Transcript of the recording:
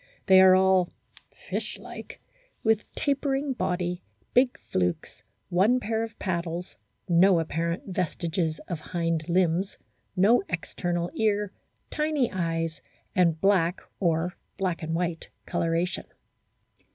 They are all " fish like," with tapering body, big flukes, one pair of paddles, no apparent vestiges of hind limbs, no external ear, tiny eyes, and black or black and white colouration.